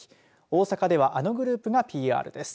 大阪ではあのグループがＰＲです。